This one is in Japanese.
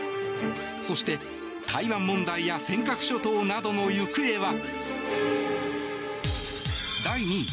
そして、台湾問題や尖閣諸島などの行方は？